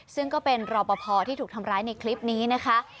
ซึ่งก็เป็นรอปภที่ถูกทำร้ายในคลิปนี้นะคะ